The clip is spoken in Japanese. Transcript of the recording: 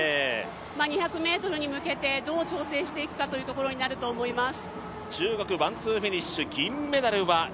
２００ｍに向けてどう調整していくかというところになると思います。